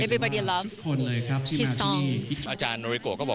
และเพราะเนี้ยมันคงที่สุดแต่ว่าทุกคนรักทีมข่าว